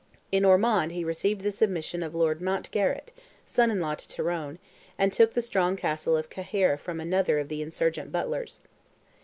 In Ormond he received the submission of Lord Mountgarrett, son in law to Tyrone, and took the strong castle of Cahir from another of the insurgent Butlers.